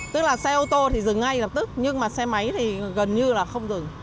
tức là xe ô tô thì dừng ngay lập tức nhưng mà xe máy thì gần như là không dừng